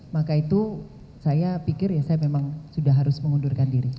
maka itu saya pikir ya saya memang sudah harus mengundurkan diri